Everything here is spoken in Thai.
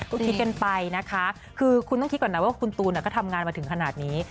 ก็คิดกันไปนะคะคือคุณต้องคิดก่อนนะว่าคุณตูนก็ทำงานมาถึงขนาดนี้